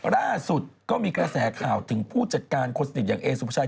ล่าสุดก็มีกระแสข่าวถึงผู้จัดการคนสนิทอย่างเอสุภาชัย